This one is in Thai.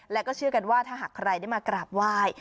และก็เชื่อกันว่าถ้าหากใครได้มากราบไหว้